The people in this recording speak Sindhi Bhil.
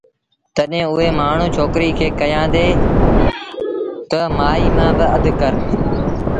تڏهيݩ اُئي مآڻهوٚ ڇوڪري کي ڪهيآݩدي تا مآئيٚ مآݩ با اڌ ڪر